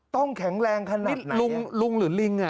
ต้องแข็งแรงขนาดไหนนี่ลุงหรือลิงน่ะ